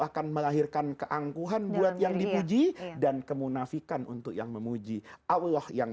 akan melahirkan keangkuhan buat yang dipuji dan kemunafikan untuk yang memuji allah yang